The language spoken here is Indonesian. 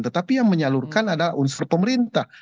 tetapi yang menyalurkan adalah unsur pemerintah